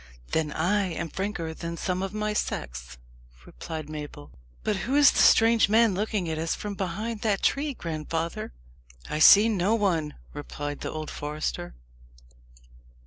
"Then I am franker than some of my sex," replied Mabel. "But who is the strange man looking at us from behind that tree, grandfather! "I see no one," replied the old forester.